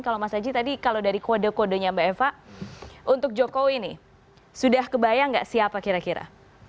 kalau mas aji tadi kalau dari kode kodenya mbak eva untuk jokowi nih sudah kebayang nggak siapa kira kira